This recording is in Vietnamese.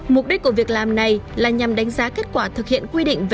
mục đích của việc làm này là nhằm đánh giá kết quả thực hiện quy định